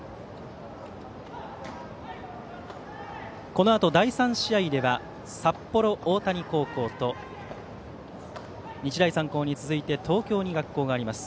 このあと第３試合では札幌大谷高校と日大三高に続いて東京に学校があります